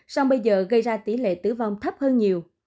sau bây giờ gây ra tỷ lệ tử vong thấp hơn nhiều